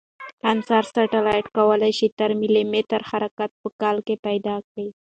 انسار سټلایټ کوای شي تر ملي متر حرکت په کال کې پیدا کړي